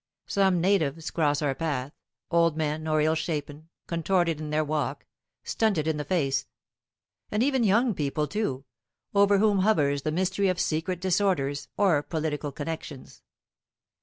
Some natives cross our path, old men or ill shapen, contorted in their walk, stunted in the face; and even young people, too, over whom hovers the mystery of secret disorders or political connections.